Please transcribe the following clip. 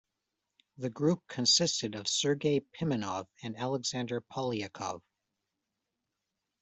The group consisted of Sergei Pimenov and Alexander Polyakov.